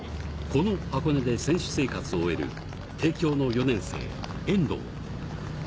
この箱根で選手生活を終える帝京の４年生遠藤。